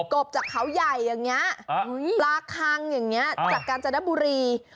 บจากเขาใหญ่อย่างนี้ปลาคังอย่างนี้จากกาญจนบุรี